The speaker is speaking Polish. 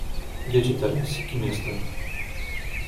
"Wiecie teraz, kim jestem."